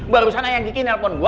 barusan ayang kiki handphone gua